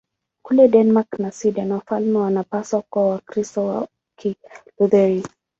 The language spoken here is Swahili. Kule Denmark na Sweden wafalme wanapaswa kuwa Wakristo wa Kilutheri.